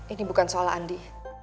ini bukan soal andi